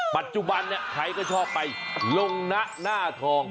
ปัจจุบันเนี่ยใครก็ชอบไปลงนะหน้าทอง